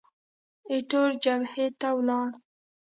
ایټور جبهې ته ولاړ.